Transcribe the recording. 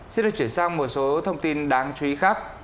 xin được chuyển sang một số thông tin đáng chú ý khác